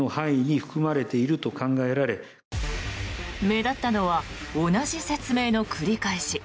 目立ったのは同じ説明の繰り返し。